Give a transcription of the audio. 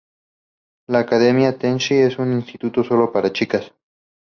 La Academia Tenchi es un instituto solo para chicas.